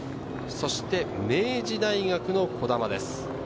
そして明治大学の児玉です。